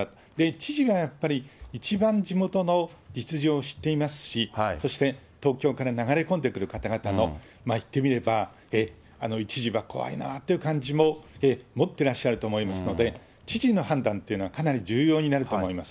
知事がやっぱり、一番地元の実情を知っていますし、そして東京から流れ込んでくる方々の、いってみれば一時は怖いなという感じも持ってらっしゃると思いますので、知事の判断というのはかなり重要になると思います。